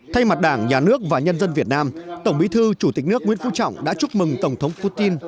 thay mặt đảng nhà nước và nhân dân việt nam tổng bí thư chủ tịch nước nguyễn phú trọng đã chúc mừng tổng thống putin